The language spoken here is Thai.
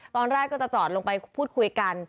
ตอนแรกก็จะจอดลงไปพูดคุยกัน